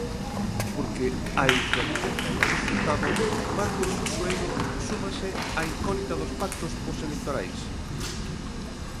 Porque á incerteza do resultado, Marcos Sueiro, súmase a incógnita dos pactos postelectorais.